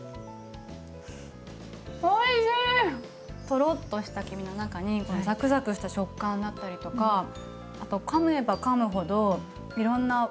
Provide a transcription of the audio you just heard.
トロッとした黄身の中にザクザクした食感だったりとかあとかめばかむほどいろんなうまみとか。